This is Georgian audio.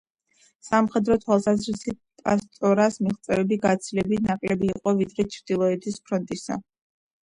სამხედრო თვალსაზრისით პასტორას მიღწევები გაცილებით ნაკლები იყო ვიდრე ჩრდილოეთის ფრონტისა.